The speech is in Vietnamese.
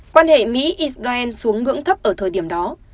quan hệ mỹ israel xuống ngưỡng thấp ở thời điểm đó